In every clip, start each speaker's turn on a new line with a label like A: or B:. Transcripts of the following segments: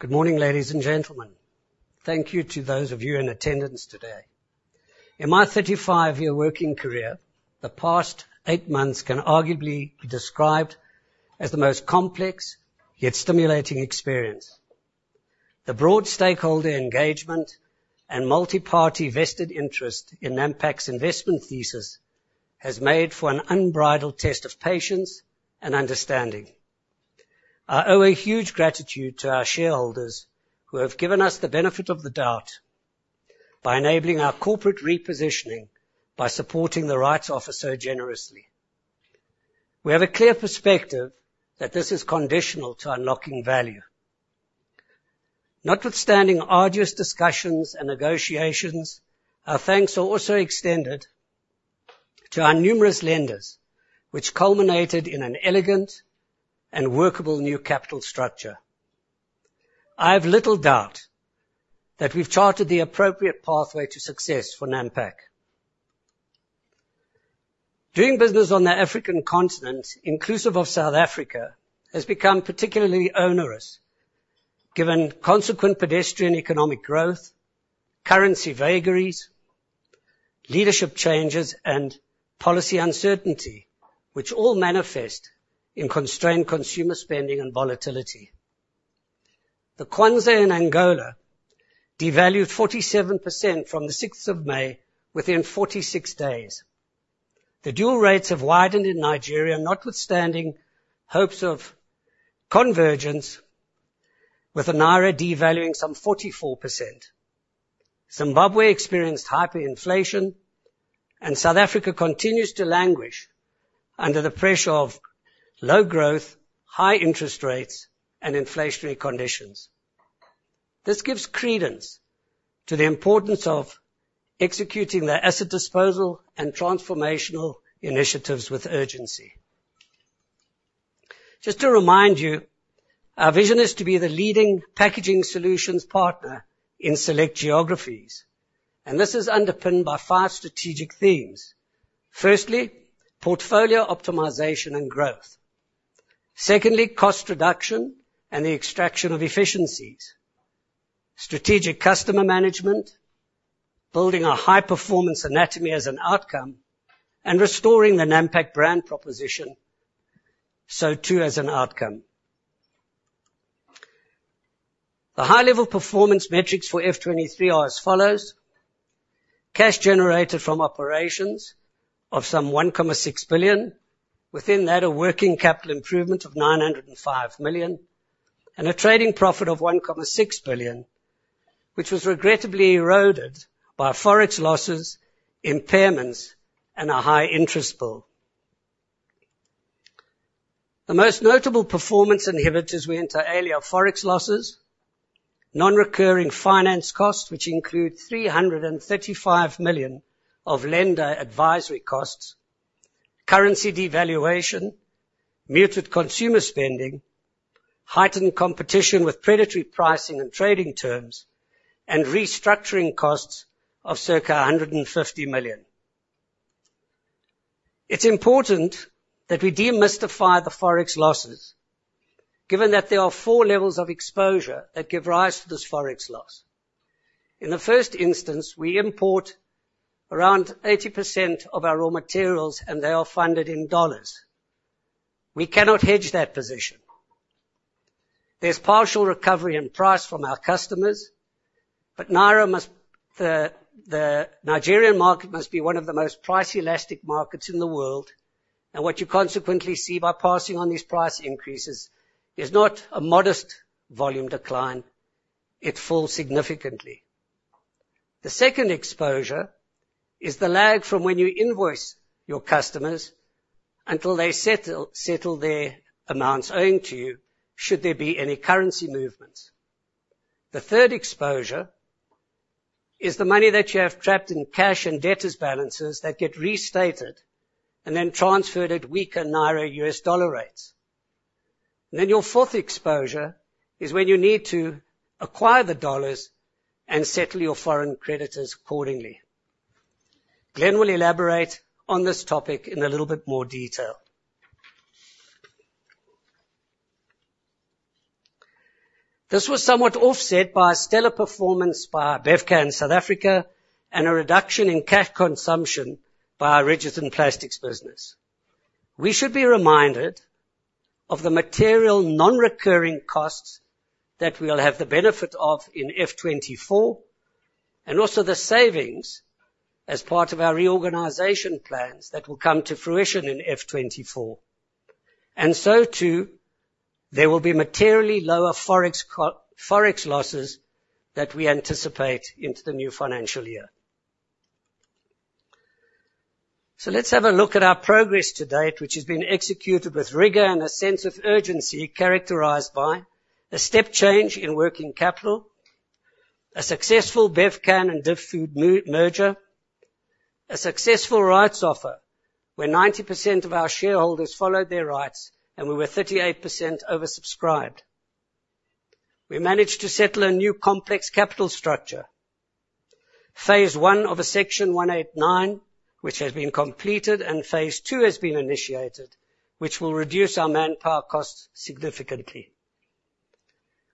A: Good morning, ladies and gentlemen. Thank you to those of you in attendance today. In my 35-year working career, the past eight months can arguably be described as the most complex, yet stimulating experience. The broad stakeholder engagement and multi-party vested interest in Nampak's investment thesis has made for an unbridled test of patience and understanding. I owe a huge gratitude to our shareholders who have given us the benefit of the doubt by enabling our corporate repositioning by supporting the rights offer so generously. We have a clear perspective that this is conditional to unlocking value. Notwithstanding arduous discussions and negotiations, our thanks are also extended to our numerous lenders, which culminated in an elegant and workable new capital structure. I have little doubt that we've charted the appropriate pathway to success for Nampak. Doing business on the African continent, inclusive of South Africa, has become particularly onerous, given consequent pedestrian economic growth, currency vagaries, leadership changes, and policy uncertainty, which all manifest in constrained consumer spending and volatility. The Kwanza in Angola devalued 47% from the sixth of May within 46 days. The dual rates have widened in Nigeria, notwithstanding hopes of convergence, with the naira devaluing some 44%. Zimbabwe experienced hyperinflation and South Africa continues to languish under the pressure of low growth, high interest rates, and inflationary conditions. This gives credence to the importance of executing their asset disposal and transformational initiatives with urgency. Just to remind you, our vision is to be the leading packaging solutions partner in select geographies, and this is underpinned by five strategic themes. Firstly, portfolio optimization and growth. Secondly, cost reduction and the extraction of efficiencies. Strategic customer management. Building a high-performance anatomy as an outcome, and restoring the Nampak brand proposition, so too, as an outcome. The high-level performance metrics for FY 2023 are as follows: cash generated from operations of some 1.6 billion. Within that, a working capital improvement of 905 million, and a trading profit of 1.6 billion, which was regrettably eroded by Forex losses, impairments, and a high interest bill. The most notable performance inhibitors, inter alia, are Forex losses, non-recurring finance costs, which include 335 million of lender advisory costs, currency devaluation, muted consumer spending, heightened competition with predatory pricing and trading terms, and restructuring costs of circa 150 million. It's important that we demystify the Forex losses, given that there are four levels of exposure that give rise to this Forex loss. In the first instance, we import around 80% of our raw materials, and they are funded in dollars. We cannot hedge that position. There's partial recovery in price from our customers. The Nigerian market must be one of the most price elastic markets in the world, and what you consequently see by passing on these price increases is not a modest volume decline. It falls significantly. The second exposure is the lag from when you invoice your customers until they settle their amounts owing to you should there be any currency movements. The third exposure is the money that you have trapped in cash and debtors balances that get restated and then transferred at weaker naira-U.S. dollar rates. Then your fourth exposure is when you need to acquire the dollars and settle your foreign creditors accordingly. Glenn will elaborate on this topic in a little bit more detail. This was somewhat offset by a stellar performance by Bevcan in South Africa and a reduction in cash consumption by our Rigids and Plastics business. We should be reminded of the material non-recurring costs that we'll have the benefit of in FY 2024, and also the savings as part of our reorganization plans that will come to fruition in FY 2024. There will be materially lower Forex losses that we anticipate into the new financial year. Let's have a look at our progress to date, which has been executed with rigor and a sense of urgency characterized by a step change in working capital, a successful Bevcan and DivFood merger, a successful rights offer where 90% of our shareholders followed their rights and we were 38% oversubscribed. We managed to settle a new complex capital structure. Phase one of a Section 189, which has been completed and phase two has been initiated, which will reduce our manpower costs significantly.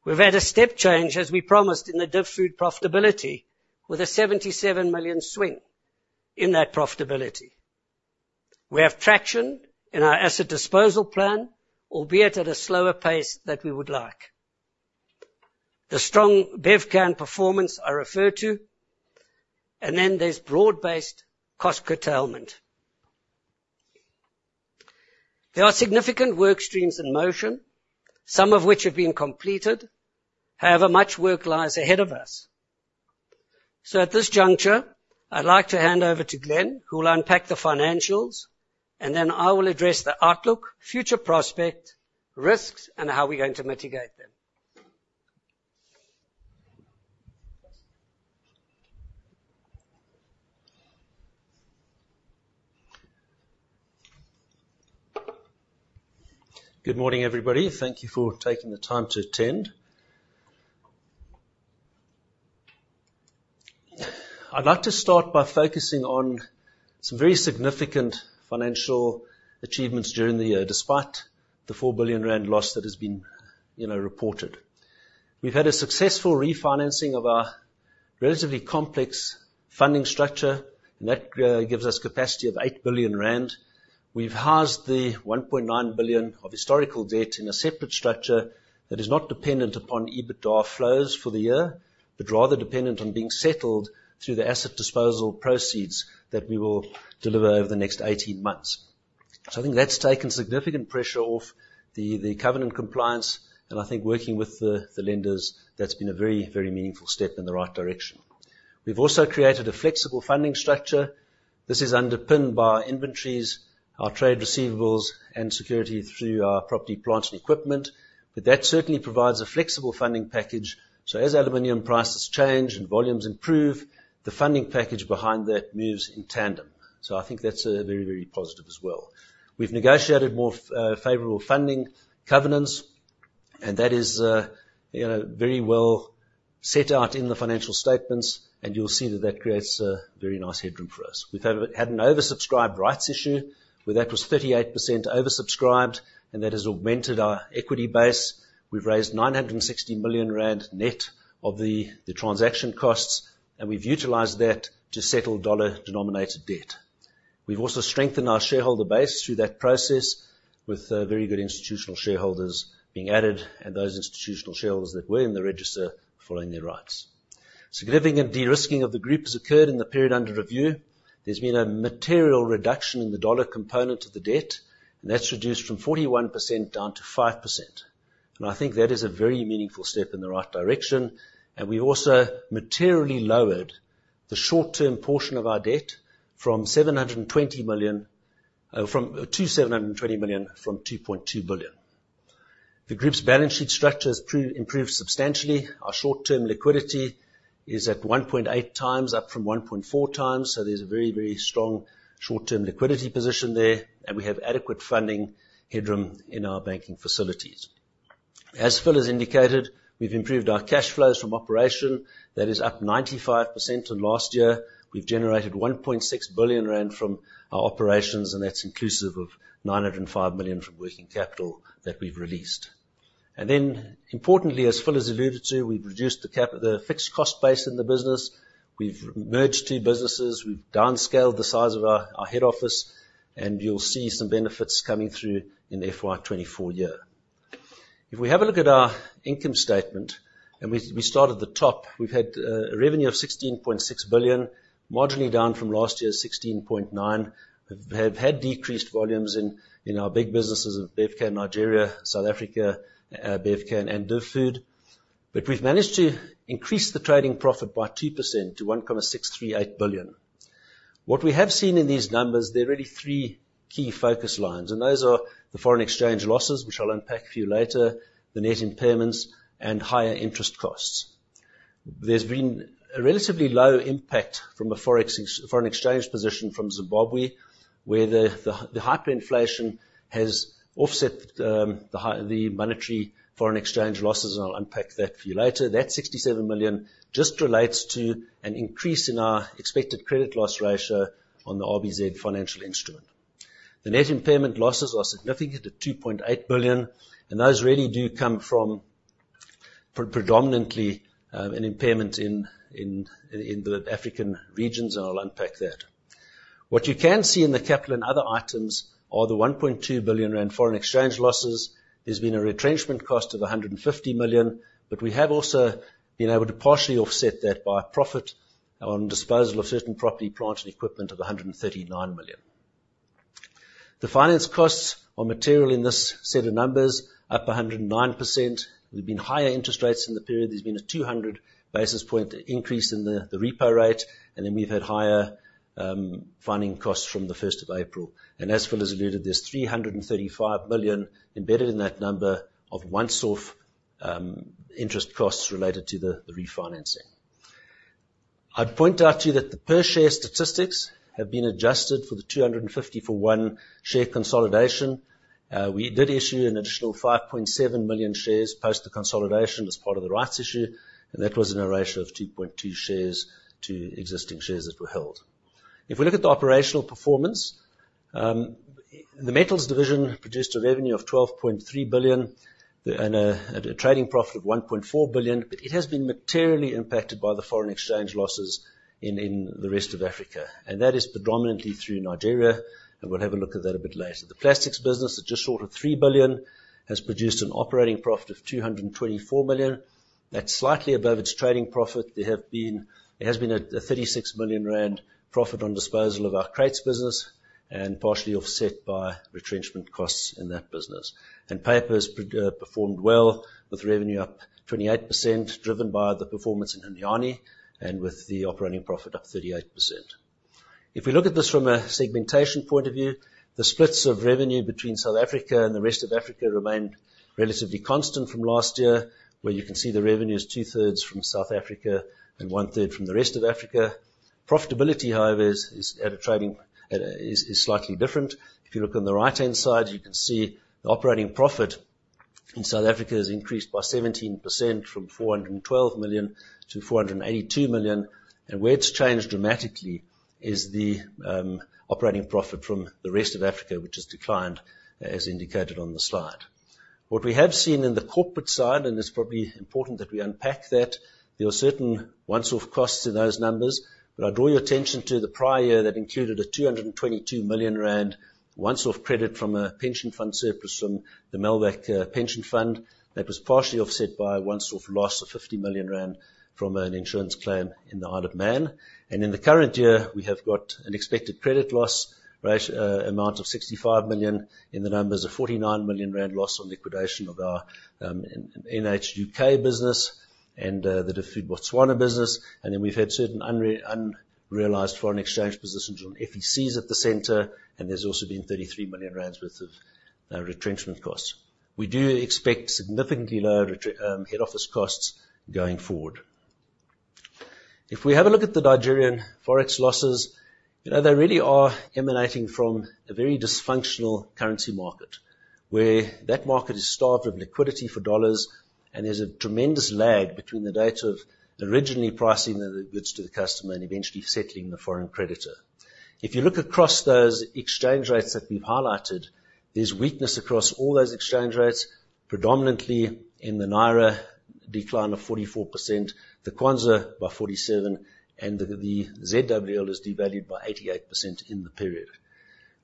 A: We've had a step change, as we promised in the DivFood profitability, with a 77 million swing in that profitability. We have traction in our asset disposal plan, albeit at a slower pace than we would like. The strong Bevcan performance I referred to, and then there's broad-based cost curtailment. There are significant work streams in motion, some of which have been completed. However, much work lies ahead of us. At this juncture, I'd like to hand over to Glenn, who will unpack the financials, and then I will address the outlook, future prospect, risks, and how we're going to mitigate them.
B: Good morning, everybody. Thank you for taking the time to attend. I'd like to start by focusing on some very significant financial achievements during the year, despite the 4 billion rand loss that has been, you know, reported. We've had a successful refinancing of our relatively complex funding structure, and that gives us capacity of 8 billion rand. We've housed the 1.9 billion of historical debt in a separate structure that is not dependent upon EBITDA flows for the year, but rather dependent on being settled through the asset disposal proceeds that we will deliver over the next 18 months. I think that's taken significant pressure off the covenant compliance, and I think working with the lenders, that's been a very, very meaningful step in the right direction. We've also created a flexible funding structure. This is underpinned by our inventories, our trade receivables, and security through our property, plant, and equipment. That certainly provides a flexible funding package, so as aluminum prices change and volumes improve, the funding package behind that moves in tandem. I think that's very, very positive as well. We've negotiated more favorable funding covenants, and that is, you know, very well set out in the financial statements, and you'll see that that creates a very nice headroom for us. We've had an oversubscribed rights issue, where that was 38% oversubscribed, and that has augmented our equity base. We've raised 960 million rand net of the transaction costs, and we've utilized that to settle USD-denominated debt. We've also strengthened our shareholder base through that process with very good institutional shareholders being added and those institutional shareholders that were in the register following their rights. Significant de-risking of the group has occurred in the period under review. There's been a material reduction in the dollar component of the debt, and that's reduced from 41% down to five percent. I think that is a very meaningful step in the right direction. We also materially lowered the short-term portion of our debt from 2.2 billion to 720 million. The group's balance sheet structure has improved substantially. Our short-term liquidity is at one point eight times, up from one point four times. There's a very, very strong short-term liquidity position there, and we have adequate funding headroom in our banking facilities. As Phil has indicated, we've improved our cash flows from operations. That is up 95% on last year. We've generated 1.6 billion rand from our operations, and that's inclusive of 905 million from working capital that we've released. Then importantly, as Phil has alluded to, we've reduced the fixed cost base in the business. We've merged two businesses. We've downscaled the size of our head office, and you'll see some benefits coming through in FY 2024. If we have a look at our income statement and we start at the top, we've had a revenue of 16.6 billion, marginally down from last year's 16.9 billion. We have had decreased volumes in our big businesses of Bevcan Nigeria, South Africa, Bevcan, and DivFood. We've managed to increase the trading profit by two percent to 1.638 billion. What we have seen in these numbers, there are really three key focus lines, and those are the foreign exchange losses, which I'll unpack for you later, the net impairments, and higher interest costs. There's been a relatively low impact from a foreign exchange position from Zimbabwe, where the hyperinflation has offset the monetary foreign exchange losses, and I'll unpack that for you later. That 67 million just relates to an increase in our expected credit loss ratio on the RBZ financial instrument. The net impairment losses are significant at 2.8 billion, and those really do come from predominantly an impairment in the African regions, and I'll unpack that. What you can see in the capital and other items are the 1.2 billion rand foreign exchange losses. There's been a retrenchment cost of 150 million, but we have also been able to partially offset that by a profit on disposal of certain property, plant, and equipment of 139 million. The finance costs are material in this set of numbers, up 109%. There's been higher interest rates in the period. There's been a 200 basis point increase in the repo rate. We've had higher funding costs from the first of April. As Phil has alluded, there's 335 million embedded in that number of once-off interest costs related to the refinancing. I'd point out to you that the per share statistics have been adjusted for the 250-for-one share consolidation. We did issue an additional 5.7 million shares post the consolidation as part of the rights issue, and that was in a ratio of two point two shares to existing shares that were held. If we look at the operational performance, the Metals division produced a revenue of 12.3 billion and a trading profit of 1.4 billion. It has been materially impacted by the foreign exchange losses in the rest of Africa, and that is predominantly through Nigeria, and we'll have a look at that a bit later. The plastics business is just short of 3 billion, has produced an operating profit of 224 million. That's slightly above its trading profit. It has been a 36 million rand profit on disposal of our crates business and partially offset by retrenchment costs in that business. Paper has performed well with revenue up 28%, driven by the performance in Umhlanga and with the operating profit up 38%. If we look at this from a segmentation point of view, the splits of revenue between South Africa and the rest of Africa remained relatively constant from last year, where you can see the revenue is two-thirds from South Africa and one-third from the rest of Africa. Profitability, however, is slightly different. If you look on the right-hand side, you can see the operating profit in South Africa has increased by 17% from 412 million to 482 million. Where it's changed dramatically is the operating profit from the rest of Africa, which has declined, as indicated on the slide. What we have seen in the corporate side, and it's probably important that we unpack that, there are certain once-off costs to those numbers, but I draw your attention to the prior year that included a 222 million rand once-off credit from a pension fund surplus from the Melwak pension fund. That was partially offset by a once-off loss of 50 million rand from an insurance claim in the Isle of Man. In the current year, we have got an expected credit loss amount of 65 million and a 49 million rand loss on liquidation of our Nampak Holdings UK business and the DivFood Botswana business. We've had certain unrealized foreign exchange positions on FECs at the center, and there's also been 33 million rand worth of retrenchment costs. We do expect significantly lower head office costs going forward. If we have a look at the Nigerian Forex losses, you know, they really are emanating from a very dysfunctional currency market, where that market is starved of liquidity for dollars and there's a tremendous lag between the date of originally pricing the goods to the customer and eventually settling the foreign creditor. If you look across those exchange rates that we've highlighted, there's weakness across all those exchange rates, predominantly in the naira decline of 44%, the Kwanza by 47%, and the ZWL is devalued by 88% in the period.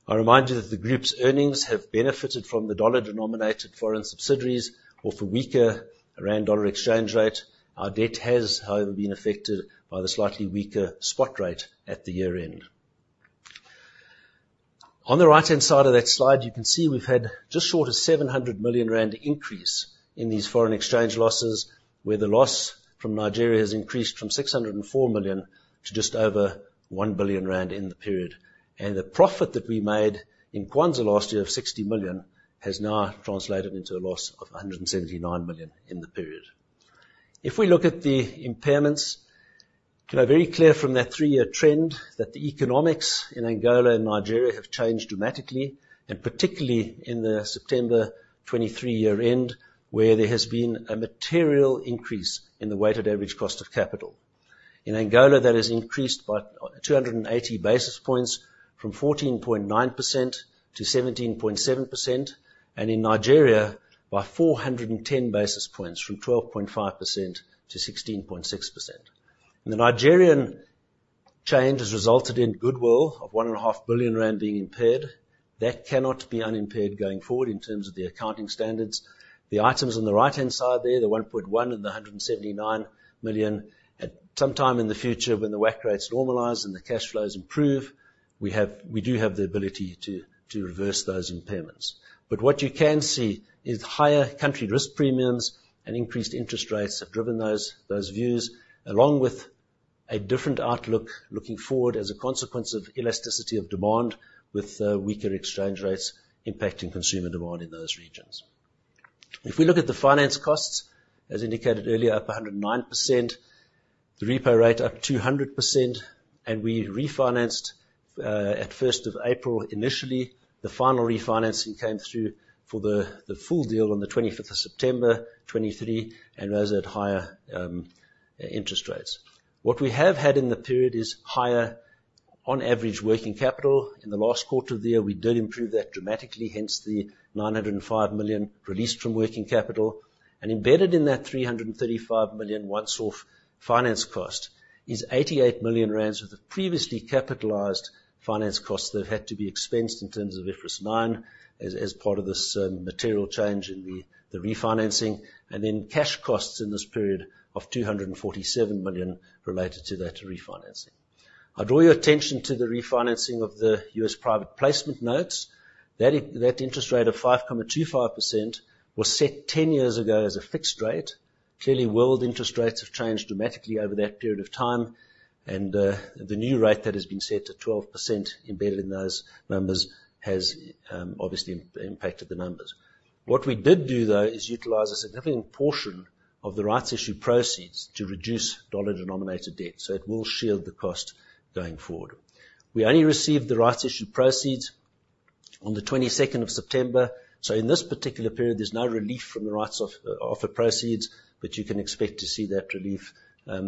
B: I remind you that the group's earnings have benefited from the dollar-denominated foreign subsidiaries of a weaker rand dollar exchange rate. Our debt has, however, been affected by the slightly weaker spot rate at the year-end. On the right-hand side of that slide, you can see we've had just short of 700 million rand increase in these foreign exchange losses, where the loss from Nigeria has increased from 604 million to just over 1 billion rand in the period. The profit that we made in Kwanza last year of AOA 60 million has now translated into a loss of AOA 179 million in the period. If we look at the impairments, you know, it's very clear from that three-year trend that the economics in Angola and Nigeria have changed dramatically, and particularly in the September 2023 year end, where there has been a material increase in the weighted average cost of capital. In Angola, that has increased by 280 basis points from 14.9%-17.7%, and in Nigeria by 410 basis points from 12.5%-16.6%. The Nigerian change has resulted in goodwill of 1.5 billion rand being impaired. That cannot be unimpaired going forward in terms of the accounting standards. The items on the right-hand side there, the 1.1 billion and the 179 million. At some time in the future, when the WACC rates normalize and the cash flows improve, we do have the ability to reverse those impairments. What you can see is higher country risk premiums and increased interest rates have driven those views along with a different outlook looking forward as a consequence of elasticity of demand with weaker exchange rates impacting consumer demand in those regions. If we look at the finance costs, as indicated earlier, up 109%, the repo rate up 200%, and we refinanced at first of April initially. The final refinancing came through for the full deal on the 20th of September 2023, and those at higher interest rates. What we have had in the period is higher on average working capital. In the last quarter of the year, we did improve that dramatically, hence the 905 million released from working capital. Embedded in that 335 million once-off finance cost is 88 million rand worth of previously capitalized finance costs that have had to be expensed in terms of IFRS 9 as part of this material change in the refinancing, and then cash costs in this period of 247 million related to that refinancing. I draw your attention to the refinancing of the U.S. private placement notes. That interest rate of 5.25% was set ten years ago as a fixed rate. Clearly, world interest rates have changed dramatically over that period of time and the new rate that has been set at 12% embedded in those numbers has obviously impacted the numbers. What we did do though, is utilize a significant portion of the rights issue proceeds to reduce dollar-denominated debt, so it will shield the cost going forward. We only received the rights issue proceeds on the 22nd of September. In this particular period, there's no relief from the rights offer proceeds, but you can expect to see that relief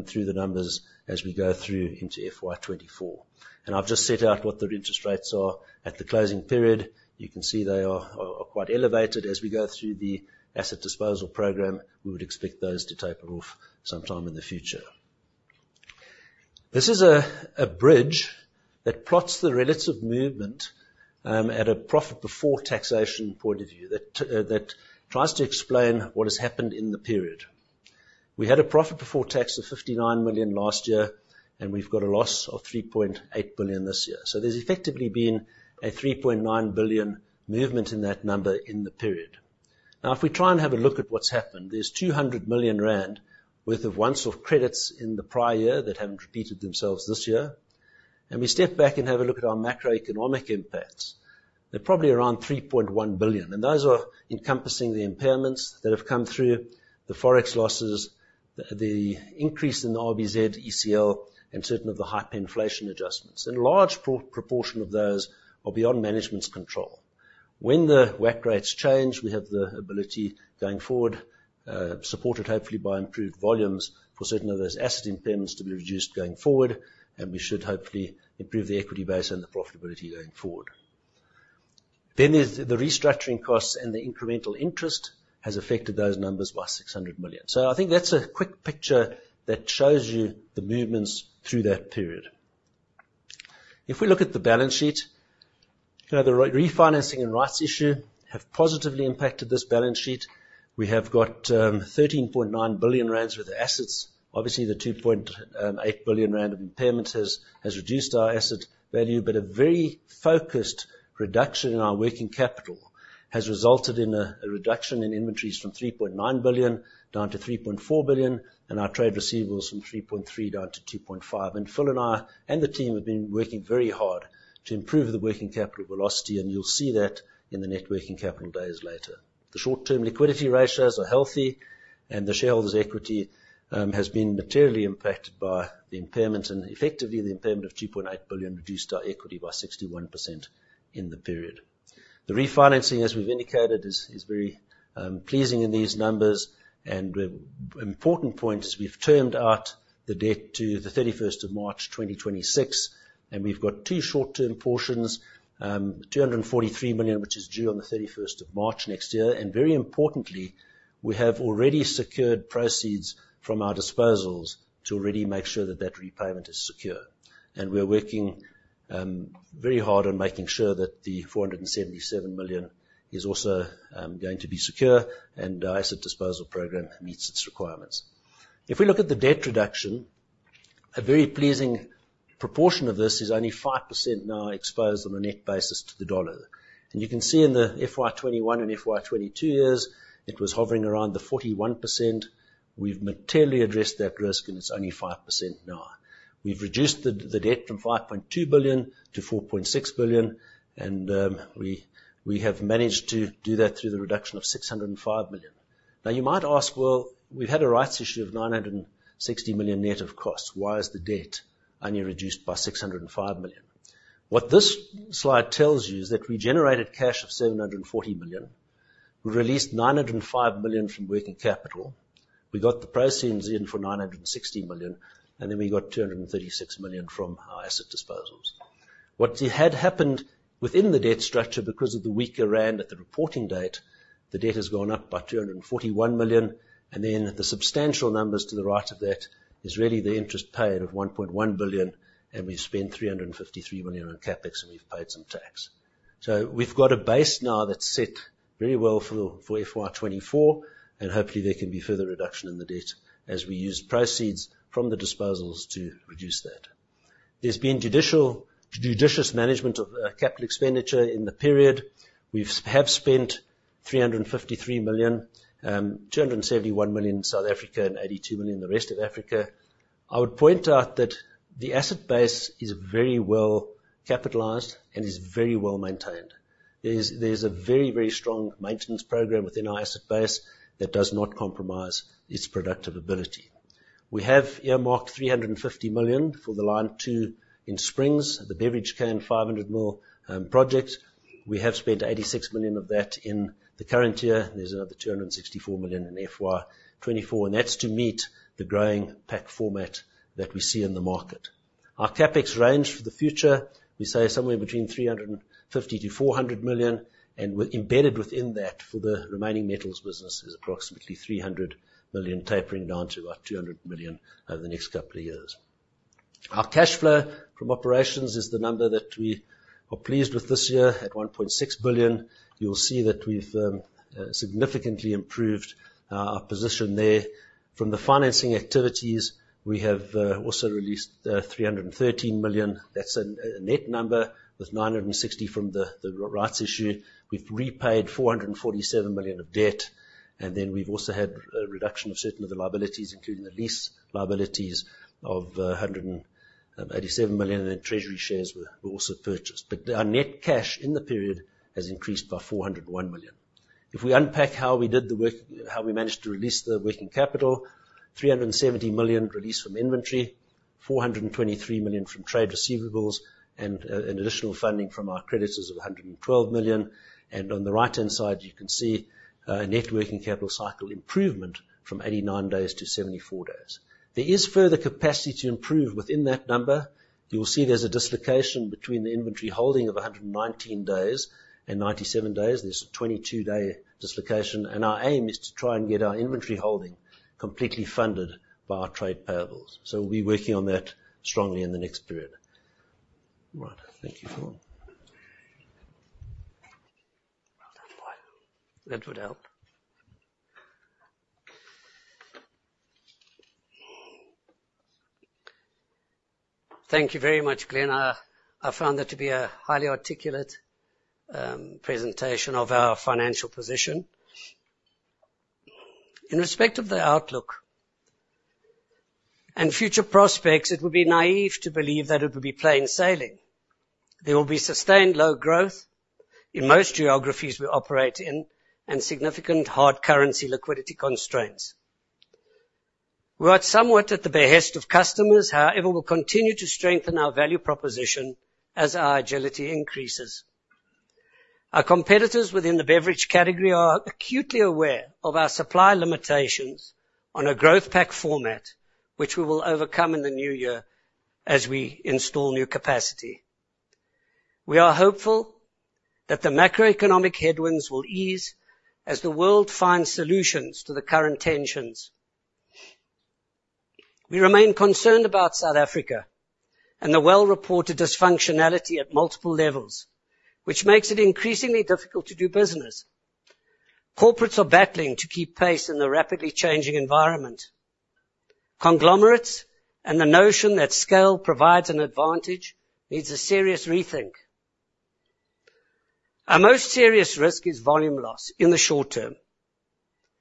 B: through the numbers as we go through into FY 2024. I've just set out what the interest rates are at the closing period. You can see they are quite elevated. As we go through the asset disposal program, we would expect those to taper off sometime in the future. This is a bridge that plots the relative movement at a profit before taxation point of view that that tries to explain what has happened in the period. We had a profit before tax of 59 million last year, and we've got a loss of 3.8 billion this year. There's effectively been a 3.9 billion movement in that number in the period. Now, if we try and have a look at what's happened, there's 200 million rand worth of once-off credits in the prior year that haven't repeated themselves this year. We step back and have a look at our macroeconomic impacts. They're probably around 3.1 billion, and those are encompassing the impairments that have come through the Forex losses, the increase in the RBZ ECL, and certain of the hyperinflation adjustments. A large proportion of those are beyond management's control. When the WACC rates change, we have the ability going forward, supported hopefully by improved volumes for certain of those asset impairments to be reduced going forward, and we should hopefully improve the equity base and the profitability going forward. There's the restructuring costs and the incremental interest has affected those numbers by 600 million. I think that's a quick picture that shows you the movements through that period. If we look at the balance sheet, you know, the refinancing and rights issue have positively impacted this balance sheet. We have got 13.9 billion rand worth of assets. Obviously, the 2.8 billion rand of impairment has reduced our asset value, but a very focused reduction in our working capital has resulted in a reduction in inventories from 3.9 billion down to 3.4 billion, and our trade receivables from 3.3 billion down to 2.5 billion. Phil and I and the team have been working very hard to improve the working capital velocity, and you'll see that in the net working capital days later. The short-term liquidity ratios are healthy, and the shareholders' equity has been materially impacted by the impairment and effectively the impairment of 2.8 billion reduced our equity by 61% in the period. The refinancing, as we've indicated, is very pleasing in these numbers. Important point is we've termed out the debt to the 31st of March 2026, and we've got two short-term portions, 243 million, which is due on the 31st of March next year. Very importantly, we have already secured proceeds from our disposals to already make sure that that repayment is secure. We're working very hard on making sure that the 477 million is also going to be secure, and our asset disposal program meets its requirements. If we look at the debt reduction, a very pleasing proportion of this is only five percent now exposed on a net basis to the US dollar. You can see in the FY 2021 and FY 2022 years, it was hovering around the 41%. We've materially addressed that risk, and it's only five percent now. We've reduced the debt from 5.2 billion to 4.6 billion, and we have managed to do that through the reduction of 605 million. Now, you might ask, "Well, we've had a rights issue of 960 million net of costs. Why is the debt only reduced by 605 million?" What this slide tells you is that we generated cash of 740 million. We released 905 million from working capital. We got the proceeds in for 960 million, and then we got 236 million from our asset disposals. What had happened within the debt structure because of the weaker rand at the reporting date, the debt has gone up by 241 million, and then the substantial numbers to the right of that is really the interest paid of 1.1 billion, and we've spent 353 million on CapEx, and we've paid some tax. We've got a base now that's set very well for FY 2024, and hopefully there can be further reduction in the debt as we use proceeds from the disposals to reduce that. There's been judicious management of capital expenditure in the period. We've spent 353 million, 271 million in South Africa and 82 million in the rest of Africa. I would point out that the asset base is very well capitalized and is very well maintained. There's a very strong maintenance program within our asset base that does not compromise its productive ability. We have earmarked 350 million for the line two in Springs, the beverage can 500 ml project. We have spent 86 million of that in the current year. There's another 264 million in FY 2024, and that's to meet the growing pack format that we see in the market. Our CapEx range for the future, we say somewhere between 350 million-400 million, and embedded within that for the remaining metals business is approximately 300 million tapering down to about 200 million over the next couple of years. Our cash flow from operations is the number that we are pleased with this year at 1.6 billion. You'll see that we've significantly improved our position there. From the financing activities, we have also released 313 million. That's a net number with 960 million from the rights issue. We've repaid 447 million of debt, and then we've also had a reduction of certain of the liabilities, including the lease liabilities of 187 million, and treasury shares were also purchased. Our net cash in the period has increased by 401 million. If we unpack how we did the work, how we managed to release the working capital, 370 million released from inventory, 423 million from trade receivables, and an additional funding from our creditors of 112 million. On the right-hand side, you can see net working capital cycle improvement from 89 days to 74 days. There is further capacity to improve within that number. You'll see there's a dislocation between the inventory holding of 119 days and 97 days. There's a 22-day dislocation, and our aim is to try and get our inventory holding completely funded by our trade payables. We're working on that strongly in the next period. Right. Thank you for that.
A: Well done, boy. That would help. Thank you very much, Glenn. I found that to be a highly articulate presentation of our financial position. In respect of the outlook and future prospects, it would be naïve to believe that it would be plain sailing. There will be sustained low growth in most geographies we operate in and significant hard currency liquidity constraints. We are somewhat at the behest of customers, however, we'll continue to strengthen our value proposition as our agility increases. Our competitors within the beverage category are acutely aware of our supply limitations on a growth pack format, which we will overcome in the new year as we install new capacity. We are hopeful that the macroeconomic headwinds will ease as the world finds solutions to the current tensions. We remain concerned about South Africa and the well-reported dysfunctionality at multiple levels, which makes it increasingly difficult to do business. Corporates are battling to keep pace in the rapidly changing environment. Conglomerates and the notion that scale provides an advantage needs a serious rethink. Our most serious risk is volume loss in the short term,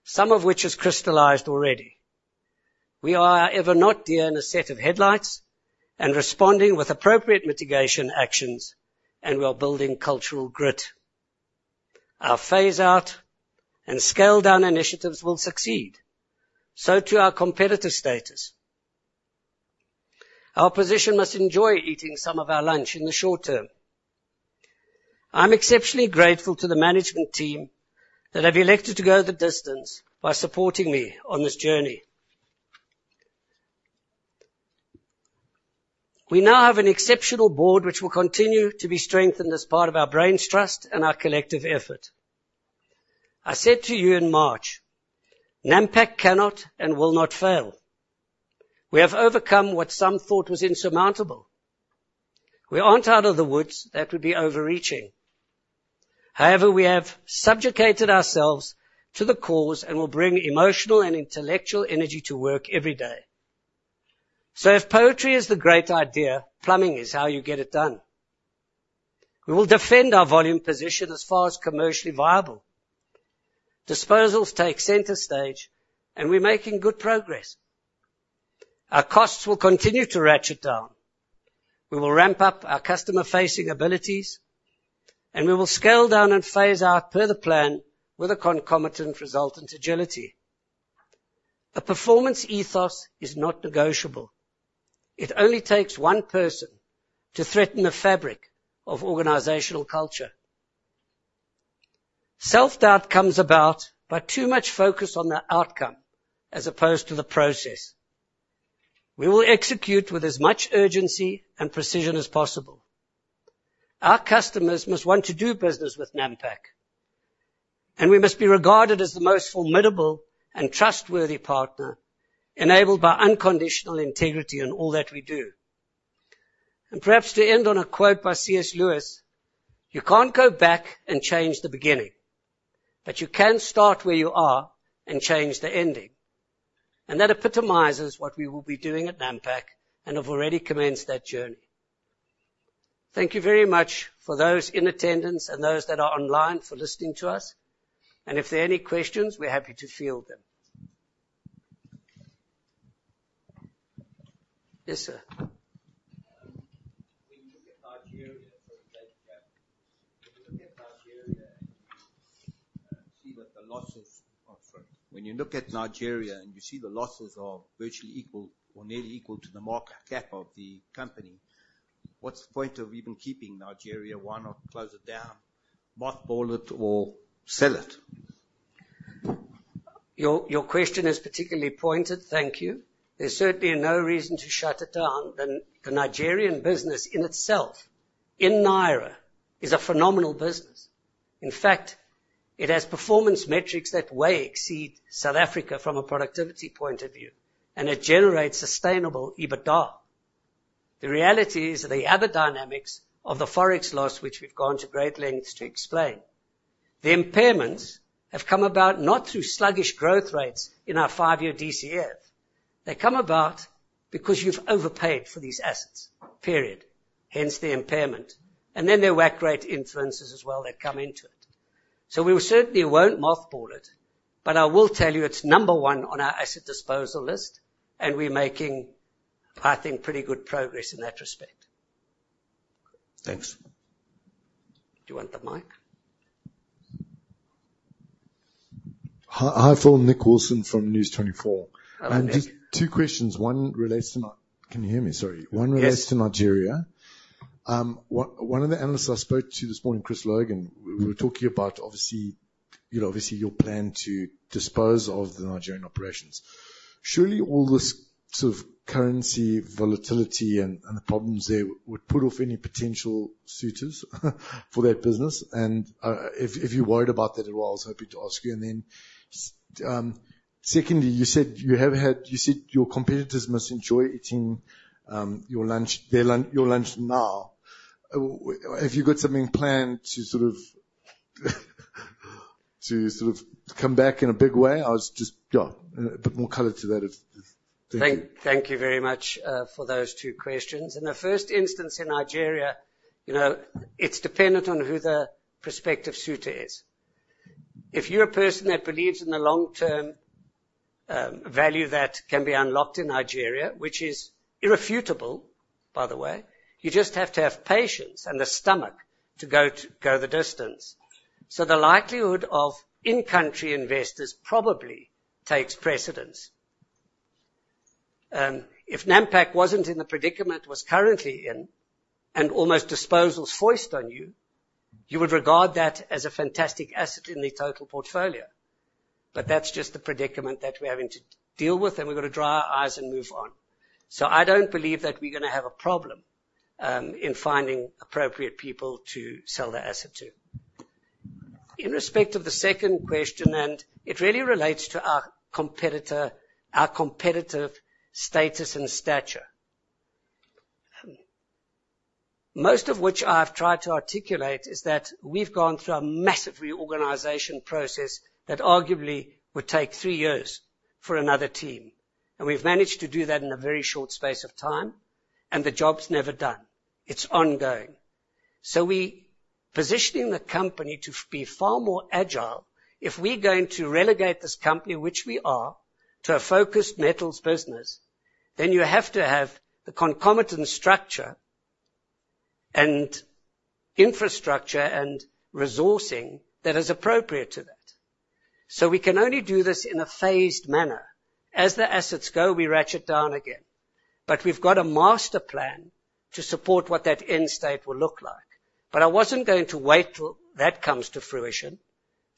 A: some of which is crystallized already. We are ever, not deer in the headlights, and responding with appropriate mitigation actions, and we are building cultural grit. Our phase out and scale down initiatives will succeed, so too our competitive stance. Our competition must enjoy eating some of our lunch in the short term. I'm exceptionally grateful to the management team that have elected to go the distance by supporting me on this journey. We now have an exceptional board which will continue to be strengthened as part of our brains trust and our collective effort. I said to you in March, Nampak cannot and will not fail. We have overcome what some thought was insurmountable. We aren't out of the woods. That would be overreaching. However, we have subjugated ourselves to the cause and will bring emotional and intellectual energy to work every day. If poetry is the great idea, plumbing is how you get it done. We will defend our volume position as far as commercially viable. Disposals take center stage, and we're making good progress. Our costs will continue to ratchet down. We will ramp up our customer-facing abilities, and we will scale down and phase out per the plan with a concomitant resultant agility. A performance ethos is not negotiable. It only takes one person to threaten the fabric of organizational culture. Self-doubt comes about by too much focus on the outcome as opposed to the process. We will execute with as much urgency and precision as possible. Our customers must want to do business with Nampak, and we must be regarded as the most formidable and trustworthy partner, enabled by unconditional integrity in all that we do. Perhaps to end on a quote by C.S. Lewis, "You can't go back and change the beginning, but you can start where you are and change the ending." That epitomizes what we will be doing at Nampak and have already commenced that journey. Thank you very much for those in attendance and those that are online for listening to us. If there are any questions, we're happy to field them. Yes, sir.
C: When you look at Nigeria, and you see the losses are virtually equal or nearly equal to the market cap of the company, what's the point of even keeping Nigeria? Why not close it down, mothball it or sell it?
A: Your question is particularly pointed. Thank you. There's certainly no reason to shut it down. The Nigerian business in itself, in Naira, is a phenomenal business. In fact, it has performance metrics that far exceed South Africa from a productivity point of view, and it generates sustainable EBITDA. The reality is the other dynamics of the forex loss, which we've gone to great lengths to explain. The impairments have come about not through sluggish growth rates in our five-year DCF. They come about because you've overpaid for these assets. Period. Hence, the impairment. The WACC rate influences as well that come into it. We certainly won't mothball it, but I will tell you it's number one on our asset disposal list, and we're making, I think, pretty good progress in that respect.
C: Thanks.
D: Do you want the mic?
E: Hi, Phil. Nick Wilson from News24.
A: Hello, Nick.
E: Just two questions. Can you hear me? Sorry.
A: Yes.
E: One relates to Nigeria. One of the analysts I spoke to this morning, Chris Logan, we were talking about obviously, you know, obviously your plan to dispose of the Nigerian operations. Surely, all this sort of currency volatility and the problems there would put off any potential suitors for that business. If you're worried about that at all, I was happy to ask you. Secondly, you said you have had. You said your competitors must enjoy eating your lunch now. Have you got something planned to sort of come back in a big way? I was just yeah. A bit more color to that if. Thank you.
A: Thank you very much for those two questions. In the first instance, in Nigeria, you know, it's dependent on who the prospective suitor is. If you're a person that believes in the long-term value that can be unlocked in Nigeria, which is irrefutable, by the way, you just have to have patience and the stomach to go the distance. The likelihood of in-country investors probably takes precedence. If Nampak wasn't in the predicament it was currently in, and almost disposals foisted on you would regard that as a fantastic asset in the total portfolio. That's just the predicament that we're having to deal with, and we've got to dry our eyes and move on. I don't believe that we're gonna have a problem in finding appropriate people to sell the asset to. In respect to the second question, and it really relates to our competitor, our competitive status and stature, most of which I've tried to articulate is that we've gone through a massive reorganization process that arguably would take three years for another team, and we've managed to do that in a very short space of time, and the job's never done. It's ongoing. We're positioning the company to be far more agile. If we're going to relegate this company, which we are, to a focused metals business, then you have to have the concomitant structure and infrastructure and resourcing that is appropriate to that. We can only do this in a phased manner. As the assets go, we ratchet down again. We've got a master plan to support what that end state will look like. I wasn't going to wait till that comes to fruition.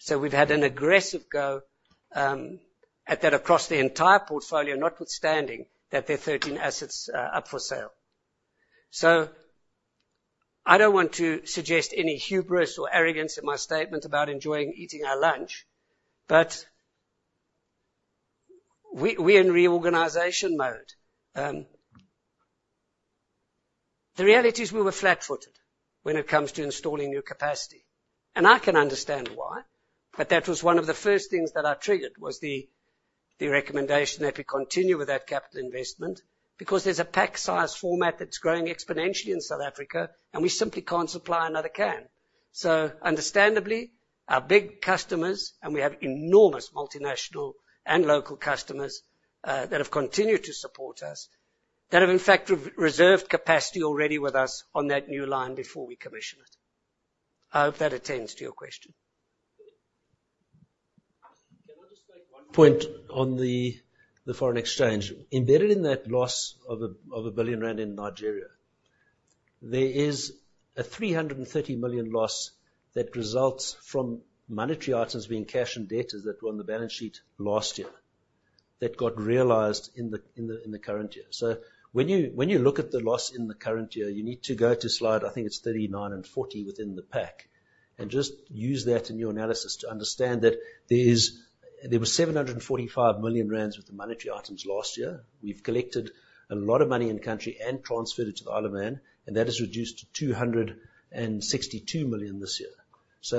A: We've had an aggressive go at that across the entire portfolio, notwithstanding that there are 13 assets up for sale. I don't want to suggest any hubris or arrogance in my statement about enjoying eating our lunch, but we're in reorganization mode. The reality is we were flat-footed when it comes to installing new capacity, and I can understand why, but that was one of the first things that I triggered, was the recommendation that we continue with that capital investment because there's a pack size format that's growing exponentially in South Africa, and we simply can't supply another can. Understandably, our big customers, and we have enormous multinational and local customers, that have continued to support us, that have in fact re-reserved capacity already with us on that new line before we commission it. I hope that attends to your question.
B: Can I just make one point on the foreign exchange? Embedded in that loss of 1 billion rand in Nigeria, there is a 330 million loss that results from monetary items being cash and debtors that were on the balance sheet last year that got realized in the current year. When you look at the loss in the current year, you need to go to slide 39 and 40 within the pack, and just use that in your analysis to understand that there's. There was 745 million rand with the monetary items last year. We've collected a lot of money in country and transferred it to the Isle of Man, and that has reduced to 262 million this year.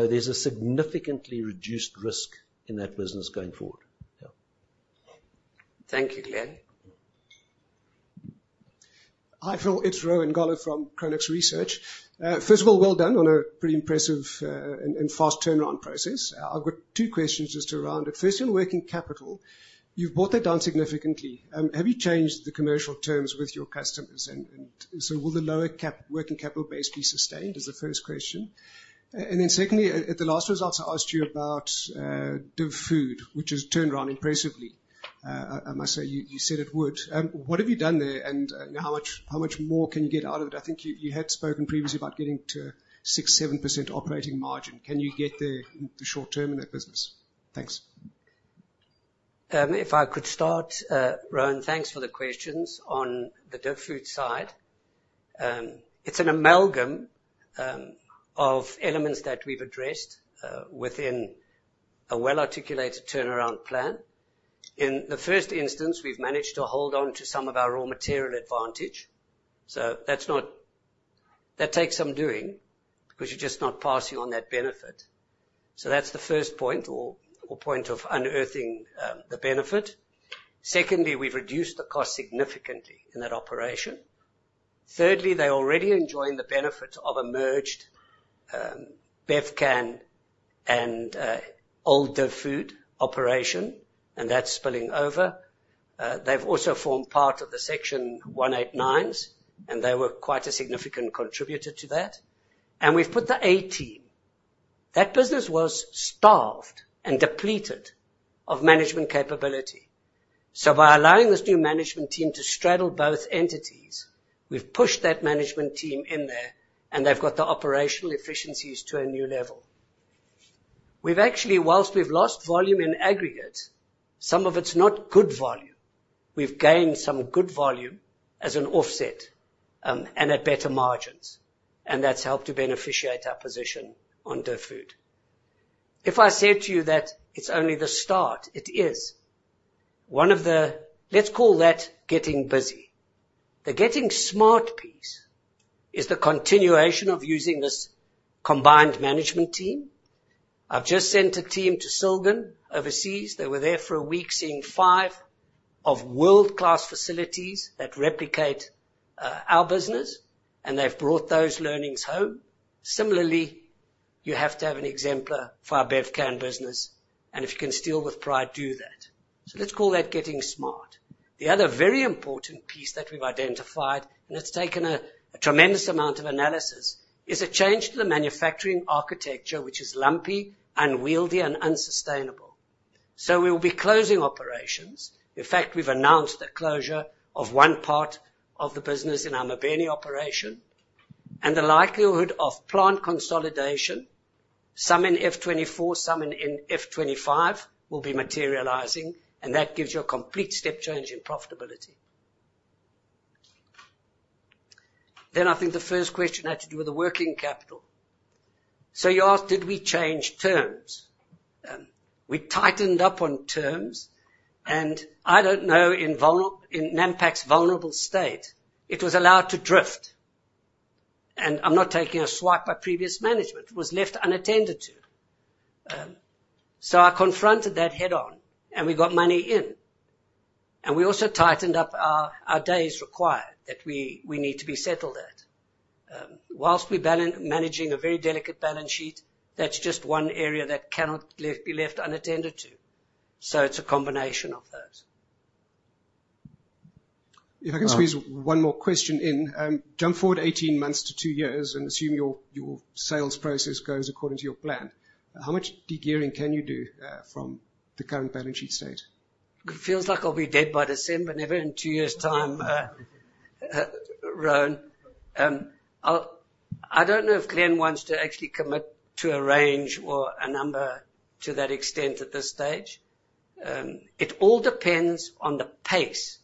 B: There's a significantly reduced risk in that business going forward. Yeah.
A: Thank you, Glenn.
F: Hi, Phil. It's Rowan Gallagher from Cratos Research. First of all, well done on a pretty impressive and fast turnaround process. I've got two questions just around it. First, your working capital, you've brought that down significantly. Have you changed the commercial terms with your customers, and will the lower working capital base be sustained? That's the first question. Secondly, at the last results, I asked you about DivFood, which has turned around impressively. I must say, you said it would. What have you done there, and how much more can you get out of it? I think you had spoken previously about getting to six to seven percent operating margin. Can you get there in the short term in that business? Thanks.
A: If I could start, Rowan, thanks for the questions. On the DivFood side, it's an amalgam of elements that we've addressed within a well-articulated turnaround plan. In the first instance, we've managed to hold on to some of our raw material advantage. That takes some doing because you're just not passing on that benefit. So that's the first point or point of unearthing the benefit. Secondly, we've reduced the cost significantly in that operation. Thirdly, they're already enjoying the benefit of a merged Bevcan and all the food operation and that's spilling over. They've also formed part of the Section 189s, and they were quite a significant contributor to that. We've put the A team. That business was starved and depleted of management capability. By allowing this new management team to straddle both entities, we've pushed that management team in there, and they've got the operational efficiencies to a new level. We've actually while we've lost volume in aggregate, some of it's not good volume. We've gained some good volume as an offset, and at better margins, and that's helped to beneficiate our position on the food. If I said to you that it's only the start, it is. One of the let's call that getting busy. The getting smart piece is the continuation of using this combined management team. I've just sent a team to Silgan overseas. They were there for a week, seeing five world-class facilities that replicate our business, and they've brought those learnings home. Similarly, you have to have an exemplar for our Bevcan business, and if you can steal with pride, do that. Let's call that getting smart. The other very important piece that we've identified, and it's taken a tremendous amount of analysis, is a change to the manufacturing architecture, which is lumpy, unwieldy, and unsustainable. We will be closing operations. In fact, we've announced the closure of one part of the business in our Mobeni operation. The likelihood of plant consolidation, some in FY 2024, some in FY 2025, will be materializing, and that gives you a complete step change in profitability. I think the first question had to do with the working capital. You asked, did we change terms? We tightened up on terms. I don't know, in Nampak's vulnerable state, it was allowed to drift. I'm not taking a swipe at previous management. It was left unattended to. I confronted that head-on, and we got money in. We also tightened up our days required that we need to be settled at. While managing a very delicate balance sheet, that's just one area that cannot be left unattended to. It's a combination of those.
F: If I can squeeze one more question in. Jump forward 18 months to two years and assume your sales process goes according to your plan. How much degearing can you do from the current balance sheet state?
A: Feels like I'll be dead by December. Never in two years' time, Rowan. I don't know if Glenn wants to actually commit to a range or a number to that extent at this stage. It all depends on the pace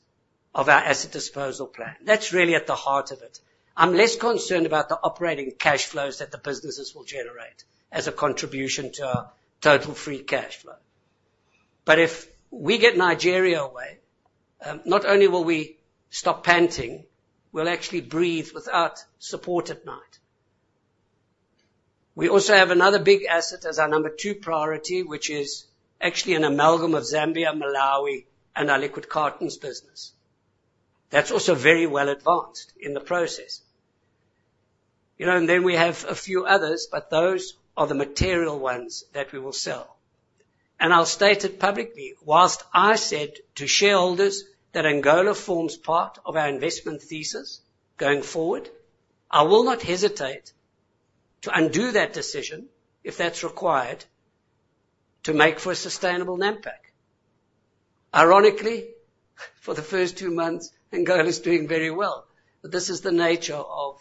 A: of our asset disposal plan. That's really at the heart of it. I'm less concerned about the operating cash flows that the businesses will generate as a contribution to our total free cash flow. If we get Nigeria away, not only will we stop panting, we'll actually breathe without support at night. We also have another big asset as our number two priority, which is actually an amalgam of Zambia, Malawi, and our liquid cartons business. That's also very well advanced in the process. You know, and then we have a few others, but those are the material ones that we will sell. I'll state it publicly. While I said to shareholders that Angola forms part of our investment thesis going forward, I will not hesitate to undo that decision if that's required to make for a sustainable Nampak. Ironically, for the first two months, Angola is doing very well, but this is the nature of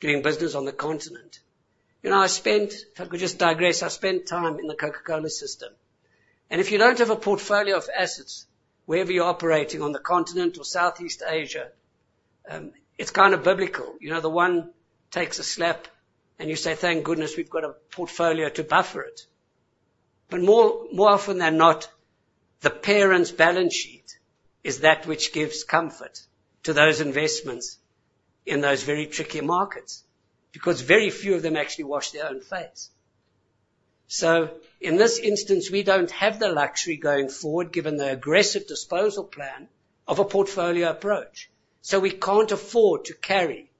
A: doing business on the continent. You know, if I could just digress, I spent time in the Coca-Cola system. If you don't have a portfolio of assets wherever you're operating on the continent or Southeast Asia, it's kinda biblical. You know, the one takes a slap, and you say, "Thank goodness we've got a portfolio to buffer it." More often than not, the parent's balance sheet is that which gives comfort to those investments in those very tricky markets, because very few of them actually wash their own face. In this instance, we don't have the luxury going forward, given the aggressive disposal plan of a portfolio approach. We can't afford to carry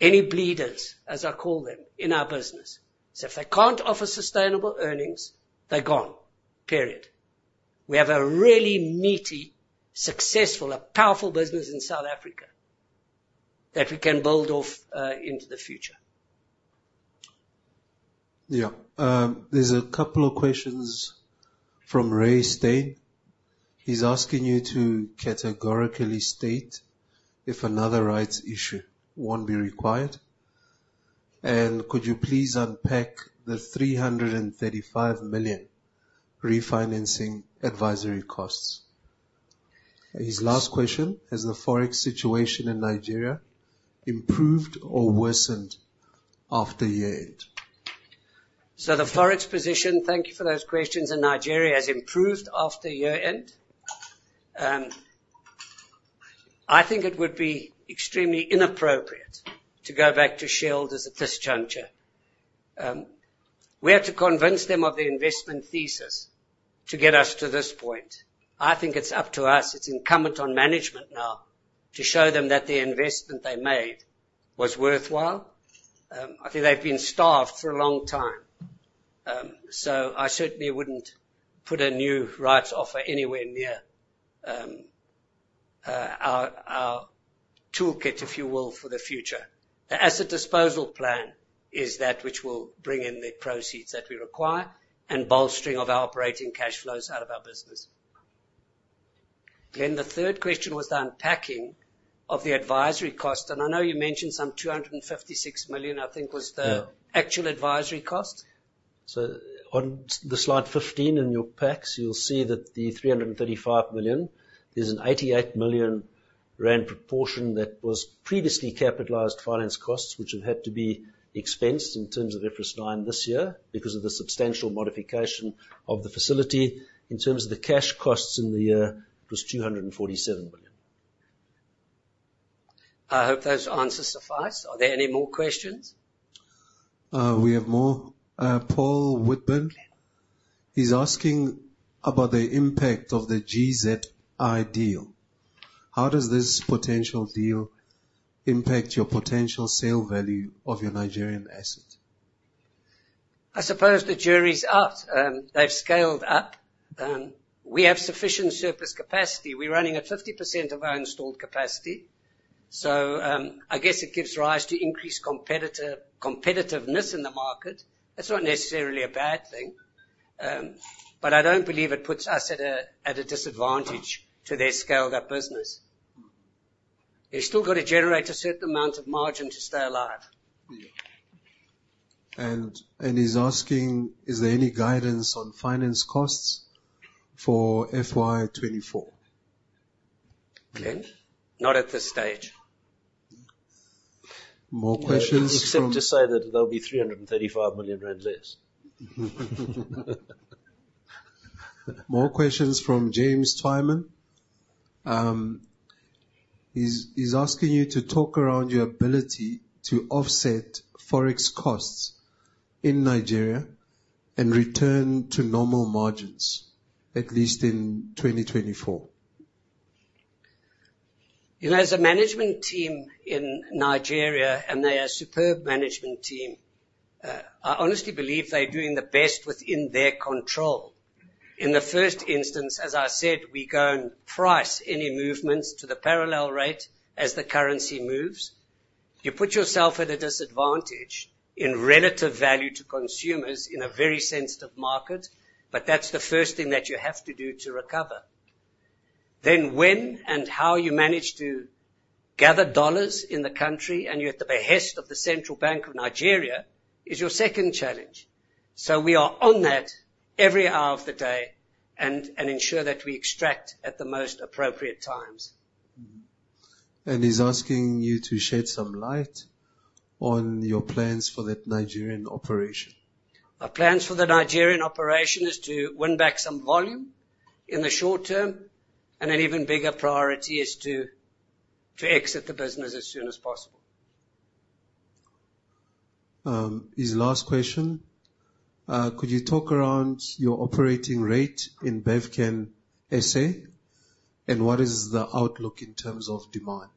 A: any bleeders, as I call them, in our business. If they can't offer sustainable earnings, they're gone, period. We have a really meaty, successful, powerful business in South Africa that we can build off into the future.
D: There's a couple of questions from Raymond Steyn. He's asking you to categorically state if another rights issue won't be required. Could you please unpack the 335 million refinancing advisory costs? His last question: Has the Forex situation in Nigeria improved or worsened after year-end?
A: The Forex position, thank you for those questions, in Nigeria has improved after year-end. I think it would be extremely inappropriate to go back to shareholders at this juncture. We had to convince them of the investment thesis to get us to this point. I think it's up to us. It's incumbent on management now to show them that the investment they made was worthwhile. I think they've been starved for a long time. I certainly wouldn't put a new rights offer anywhere near our toolkit, if you will, for the future. The asset disposal plan is that which will bring in the proceeds that we require and bolstering of our operating cash flows out of our business. The third question was the unpacking of the advisory cost, and I know you mentioned some 256 million, I think was the actual advisory cost. On the slide 15 in your packs, you'll see that the 335 million is an 88 million rand proportion that was previously capitalized finance costs, which have had to be expensed in terms of IFRS 9 this year because of the substantial modification of the facility. In terms of the cash costs in the year, it was 247 million. I hope those answers suffice. Are there any more questions?
D: We have more. Paul Whitburn. He's asking about the impact of the GZ Industries deal. How does this potential deal impact your potential sale value of your Nigerian asset?
A: I suppose the jury's out. They've scaled up. We have sufficient surplus capacity. We're running at 50% of our installed capacity. I guess it gives rise to increased competitiveness in the market. That's not necessarily a bad thing. I don't believe it puts us at a disadvantage to their scaled up business. They've still got to generate a certain amount of margin to stay alive.
D: He's asking, is there any guidance on finance costs for FY 2024?
A: Glenn?
B: Not at this stage.
D: More questions from.
A: Except to say that there'll be 335 million rand less.
D: More questions from James Twyman. He's asking you to talk around your ability to offset forex costs in Nigeria and return to normal margins, at least in 2024.
A: You know, as a management team in Nigeria, and they are a superb management team, I honestly believe they're doing the best within their control. In the first instance, as I said, we go and price any movements to the parallel rate as the currency moves. You put yourself at a disadvantage in relative value to consumers in a very sensitive market, but that's the first thing that you have to do to recover. Then when and how you manage to gather dollars in the country, and you're at the behest of the Central Bank of Nigeria, is your second challenge. We are on that every hour of the day and ensure that we extract at the most appropriate times.
D: He's asking you to shed some light on your plans for that Nigerian operation.
A: Our plans for the Nigerian operation is to win back some volume in the short term, and an even bigger priority is to exit the business as soon as possible.
D: His last question. Could you talk around your operating rate in Bevcan SA, and what is the outlook in terms of demand?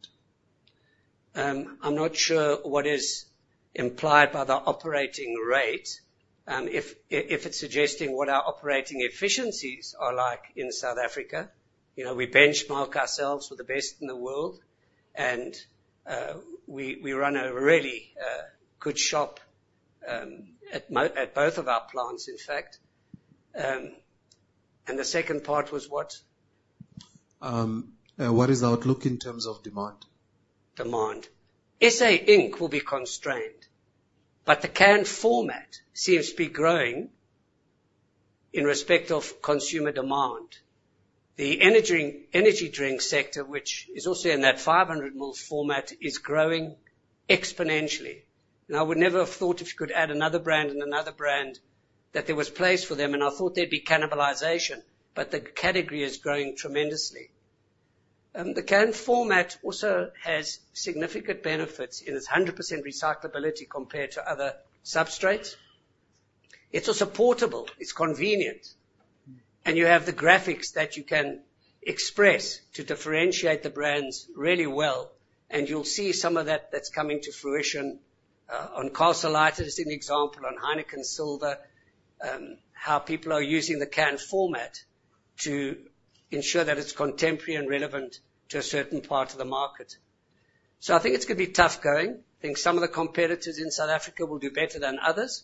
A: I'm not sure what is implied by the operating rate. If it's suggesting what our operating efficiencies are like in South Africa, you know, we benchmark ourselves with the best in the world, and we run a really good shop at both of our plants, in fact. The second part was what?
D: What is the outlook in terms of demand?
A: Demand in SA will be constrained, but the canned format seems to be growing in respect of consumer demand. The energy drink sector, which is also in that 500 ml format, is growing exponentially. I would never have thought if you could add another brand and another brand, that there was place for them, and I thought there'd be cannibalization, but the category is growing tremendously. The canned format also has significant benefits in its 100% recyclability compared to other substrates. It's also portable, it's convenient, and you have the graphics that you can express to differentiate the brands really well, and you'll see some of that that's coming to fruition, on Castle Lite, as an example, on Heineken Silver, how people are using the canned format to ensure that it's contemporary and relevant to a certain part of the market. I think it's gonna be tough going. I think some of the competitors in South Africa will do better than others.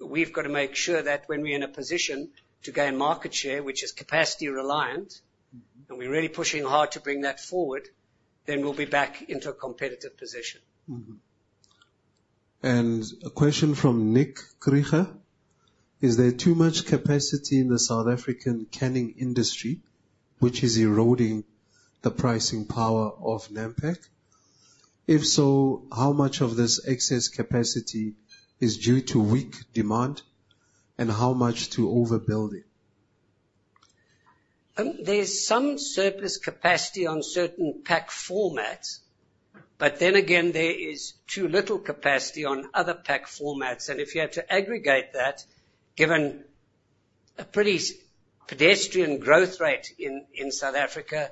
A: We've got to make sure that when we're in a position to gain market share, which is capacity reliant. We're really pushing hard to bring that forward, then we'll be back into a competitive position.
D: A question from Nick Krieger: Is there too much capacity in the South African canning industry which is eroding the pricing power of Nampak? If so, how much of this excess capacity is due to weak demand, and how much to overbuilding?
A: There's some surplus capacity on certain pack formats. There is too little capacity on other pack formats. If you had to aggregate that, given a pretty pedestrian growth rate in South Africa,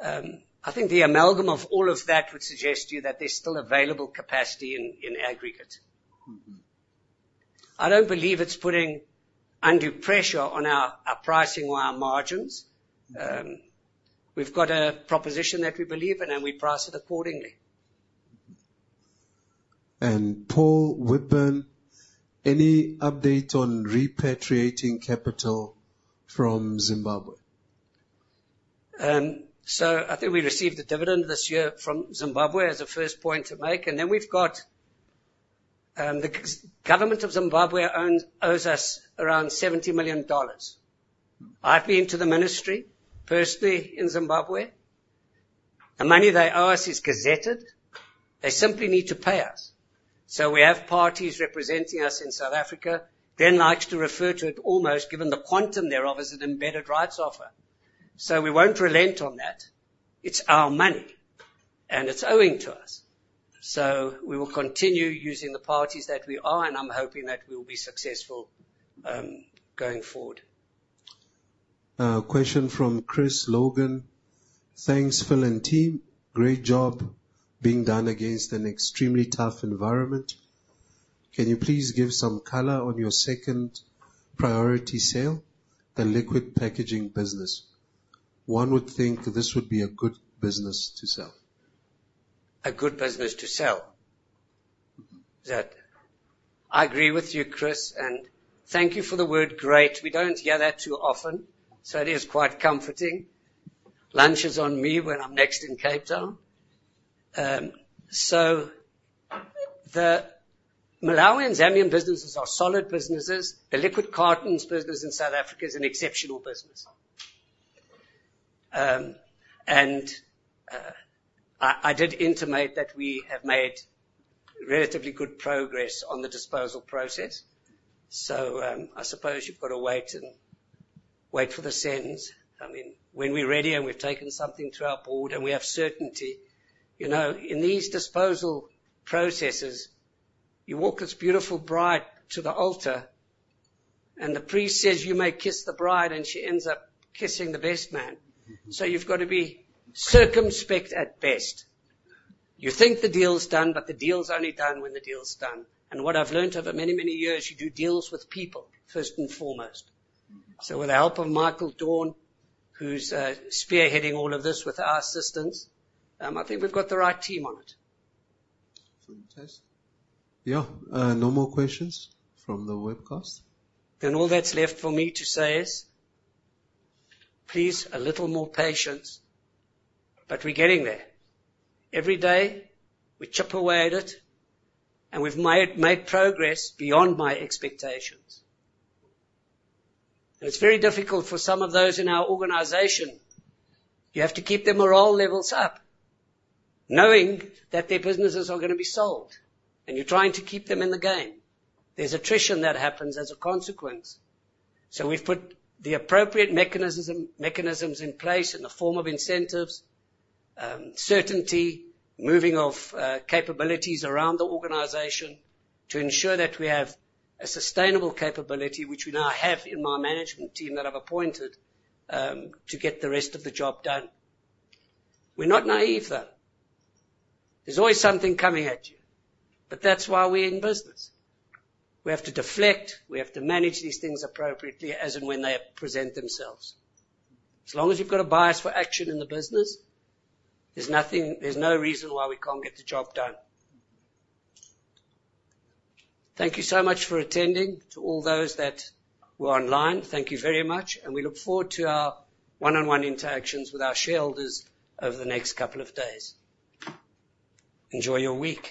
A: I think the amalgam of all of that would suggest to you that there's still available capacity in aggregate. I don't believe it's putting undue pressure on our pricing or our margins. We've got a proposition that we believe in, and we price it accordingly.
D: Paul Whitburn, any update on repatriating capital from Zimbabwe?
A: I think we received a dividend this year from Zimbabwe as a first point to make. We've got the government of Zimbabwe owes us around $70 million. I've been to the ministry personally in Zimbabwe. The money they owe us is gazetted. They simply need to pay us. We have parties representing us in South Africa. They like to refer to it almost, given the quantum thereof, as an embedded rights offer. We won't relent on that. It's our money, and it's owing to us. We will continue using the parties that we are, and I'm hoping that we'll be successful going forward.
D: A question from Chris Logan: Thanks, Phil and team. Great job being done against an extremely tough environment. Can you please give some color on your second priority sale, the liquid packaging business? One would think this would be a good business to sell.
A: A good business to sell. I agree with you, Chris, and thank you for the word great. We don't hear that too often, so it is quite comforting. Lunch is on me when I'm next in Cape Town. The Malawi and Zambian businesses are solid businesses. The liquid cartons business in South Africa is an exceptional business. I did intimate that we have made relatively good progress on the disposal process, so I suppose you've got to wait and see. I mean, when we're ready and we've taken something to our board and we have certainty. You know, in these disposal processes, you walk this beautiful bride to the altar, and the priest says, "You may kiss the bride," and she ends up kissing the best man. You've got to be circumspect at best. You think the deal's done, but the deal's only done when the deal's done. What I've learned over many, many years, you do deals with people first and foremost. With the help of Michael Dorn, who's spearheading all of this with our assistance, I think we've got the right team on it.
D: Fantastic. Yeah. No more questions from the webcast.
A: All that's left for me to say is, please, a little more patience, but we're getting there. Every day we chip away at it, and we've made progress beyond my expectations. It's very difficult for some of those in our organization. You have to keep their morale levels up, knowing that their businesses are gonna be sold, and you're trying to keep them in the game. There's attrition that happens as a consequence. We've put the appropriate mechanism, mechanisms in place in the form of incentives, certainty, moving of capabilities around the organization to ensure that we have a sustainable capability, which we now have in my management team that I've appointed to get the rest of the job done. We're not naive, though. There's always something coming at you, but that's why we're in business. We have to deflect. We have to manage these things appropriately as and when they present themselves. As long as you've got a bias for action in the business, there's no reason why we can't get the job done. Thank you so much for attending. To all those that were online, thank you very much, and we look forward to our one-on-one interactions with our shareholders over the next couple of days. Enjoy your week.